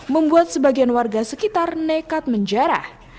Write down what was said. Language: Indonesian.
membuat sebagian warga sekitar nekat menjarah